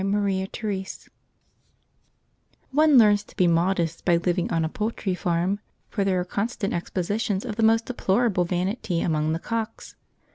CHAPTER VI One learns to be modest by living on a poultry farm, for there are constant expositions of the most deplorable vanity among the cocks.